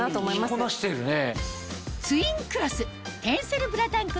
着こなしてるね。